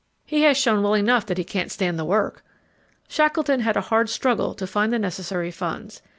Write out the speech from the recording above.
He has shown well enough that he can't stand the work! Shackleton had a hard struggle to find the necessary funds.